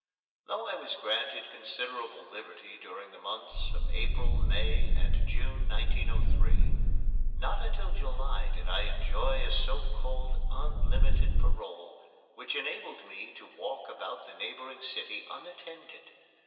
Though I was granted considerable liberty during the months of April, May, and June, 1903, not until July did I enjoy a so called unlimited parole which enabled me to walk about the neighboring city unattended.